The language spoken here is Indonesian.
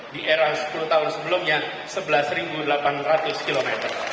di era sepuluh tahun sebelumnya sebelas delapan ratus km